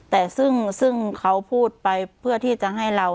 แต่ซึ่งเขาพูดไปเพื่อที่จะให้เรา